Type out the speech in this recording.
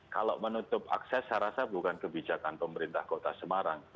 kalau menutup akses saya rasa bukan kebijakan pemerintah kota semarang